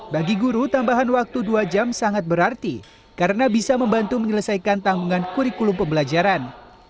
bagi guru tambahan waktu dua jam sangat berarti karena bisa membantu menyelesaikan tanggungan kurikulum pembelajaran